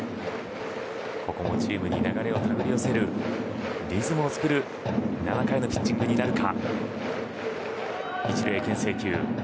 ここもチームに流れを手繰り寄せるリズムを作る７回のピッチングになるか。